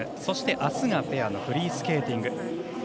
そして、あすがペアのフリースケーティング。